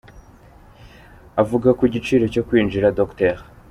Avuga ku giciro cyo kwinjira Dr.